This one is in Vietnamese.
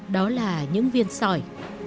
đó là những viên sỏi